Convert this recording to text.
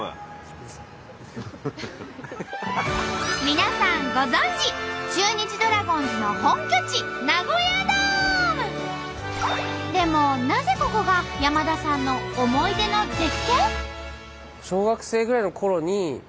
皆さんご存じ中日ドラゴンズの本拠地でもなぜここが山田さんの思い出の絶景？